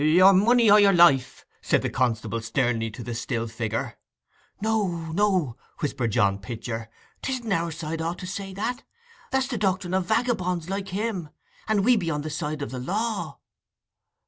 'Your money or your life!' said the constable sternly to the still figure. 'No, no,' whispered John Pitcher. ''Tisn't our side ought to say that. That's the doctrine of vagabonds like him, and we be on the side of the law.